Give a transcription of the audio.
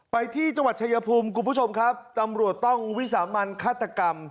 ไปที่จังหวัดชายภูมิคุณผู้ชมครับตำรวจต้องวิสามันฆาตกรรม